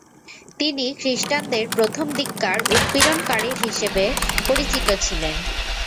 তিনি খ্রিস্টানদের প্রথমদিককার উৎপীড়নকারীর হিসেবে পরিচিত ছিলেন।